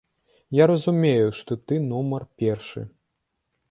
Я разумею, што ты нумар першы.